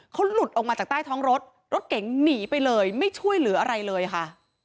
เขาหลุดออกมาจากใต้ท้องรถรถเก๋งหนีไปเลยไม่ช่วยเหลืออะไรเลยค่ะ